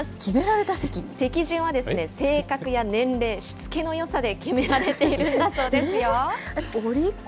席順は性格や年齢、しつけのよさで決められているんだそうですよ。